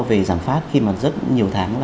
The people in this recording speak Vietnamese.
về giảm phát khi mà rất nhiều tháng